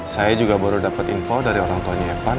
saya juga baru dapat info dari orang tuanya evan